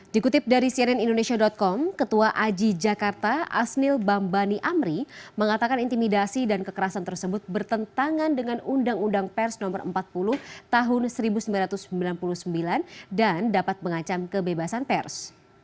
dikutip dari cnn indonesia com ketua aji jakarta asnil bambani amri mengatakan intimidasi dan kekerasan tersebut bertentangan dengan undang undang pers no empat puluh tahun seribu sembilan ratus sembilan puluh sembilan dan dapat mengancam kebebasan pers